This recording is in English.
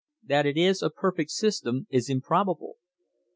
That it is a perfect system is improbable.